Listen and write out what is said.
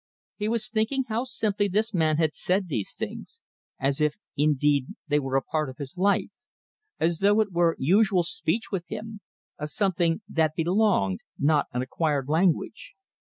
He was thinking how simply this man had said these things; as if, indeed, they were part of his life; as though it were usual speech with him, a something that belonged, not an acquired language.